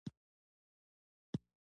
ورزش د صحت لپاره مهم دی.